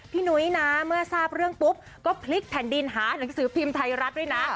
นุ้ยนะเมื่อทราบเรื่องปุ๊บก็พลิกแผ่นดินหาหนังสือพิมพ์ไทยรัฐด้วยนะ